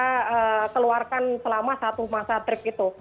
kita keluarkan selama satu masa trip itu